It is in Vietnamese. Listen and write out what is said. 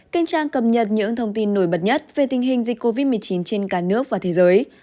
kênh trang cập nhật những thông tin nổi bật nhất về tình hình dịch covid một mươi chín trên cả nước và thế giới